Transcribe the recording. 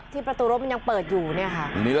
ที่ประตูรถมันยังเปิดอย่างนี้นี่ค่ะ